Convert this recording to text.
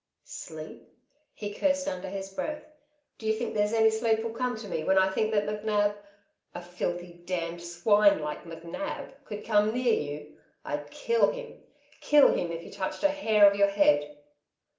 "Sleep?" He cursed under his breath. "Do you think there's any sleep'll come to me when I think that McNab a filthy, damned swine like McNab could come near you. I'd kill him kill him if he touched a hair of your head."